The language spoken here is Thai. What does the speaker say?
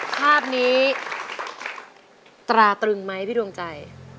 ภาพนี้ตราตรึงไหมพี่ดวงใจ